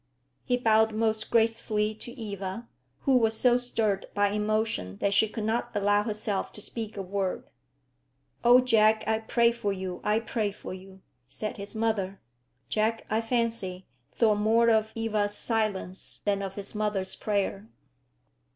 He bowed most gracefully to Eva, who was so stirred by emotion that she could not allow herself to speak a word. "Oh Jack, I pray for you; I pray for you," said his mother. Jack, I fancy, thought more of Eva's silence than of his mother's prayer.